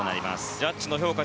ジャッジの評価